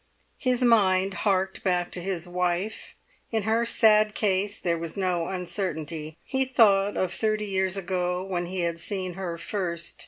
His mind harked back to his wife. In her sad case there was no uncertainty. He thought of thirty years ago when he had seen her first.